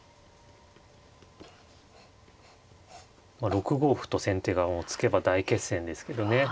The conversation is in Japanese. ６五歩と先手がもう突けば大決戦ですけどね。